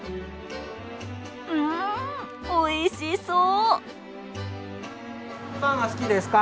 うんおいしそう！